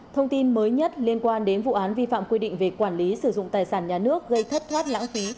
thông tin mới nhất liên quan đến vụ án vi phạm quy định về quản lý sử dụng tài sản nhà nước gây thất thoát lãng phí